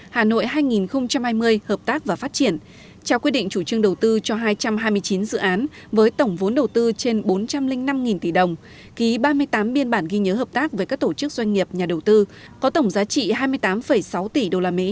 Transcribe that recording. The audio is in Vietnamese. hà nội vừa tổ chức thành công hội nghị hà nội hai nghìn hai mươi hợp tác và phát triển trao quyết định chủ trương đầu tư cho hai trăm hai mươi chín dự án với tổng vốn đầu tư trên bốn trăm linh năm tỷ đồng ký ba mươi tám biên bản ghi nhớ hợp tác với các tổ chức doanh nghiệp nhà đầu tư có tổng giá trị hai mươi tám sáu tỷ usd